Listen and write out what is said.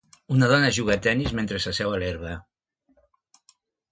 Una dona juga a tennis mentre s'asseu a l'herba.